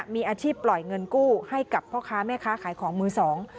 มีอาชีพปล่อยเงินกู้ให้กับพ่อค้าแม่ค้าขายของมือสอง